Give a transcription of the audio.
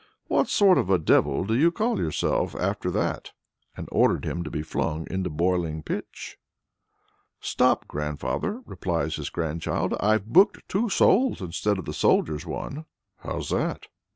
What sort of a devil do you call yourself after that?" and ordered him to be flung "into boiling pitch." "Stop, grandfather!" replies his grandchild. "I've booked two souls instead of the soldier's one." "How's that?"